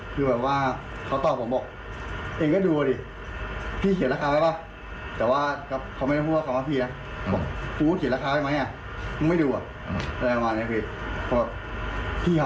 คือแบบว่าเขาตอบผมก็บอกเอนก็ดูดิ